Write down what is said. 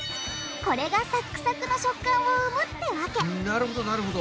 これがサックサクの食感を生むってわけなるほどなるほど。